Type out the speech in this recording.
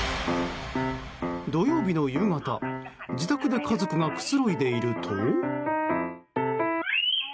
土曜日の夕方、自宅で家族がくつろいでいると。